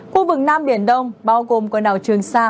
khu vực nam biển đông bao gồm quần đảo trường sa